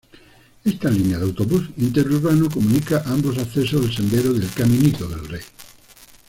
Esta línea de autobús interurbano comunica ambos acceso al sendero del Caminito del Rey.